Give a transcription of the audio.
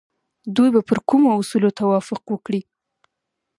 دوی به پر کومو اصولو توافق وکړي؟